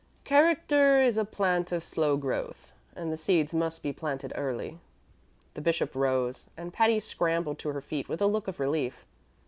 Character is a plant of slow growth, and the seeds must be planted early." The bishop rose, and Patty scrambled to her feet with a look of relief.